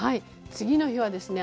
次の日はですね、